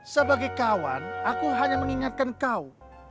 sebagai kawan aku hanya mengingatkan kau